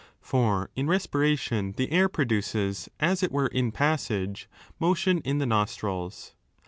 For in respiration the air produces, as it were in passage, motion in the nostrils.